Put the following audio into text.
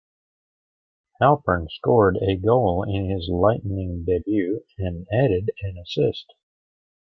Halpern scored a goal in his Lightning debut, and added an assist.